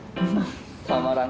たまらん。